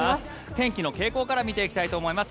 天気の傾向から見ていきたいと思います。